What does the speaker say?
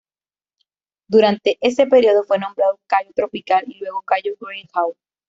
Durante ese período, fue nombrado Cayo tropical, y luego Cayo Greyhound.